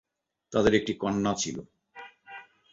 তাদের একটি কন্যা ছিল।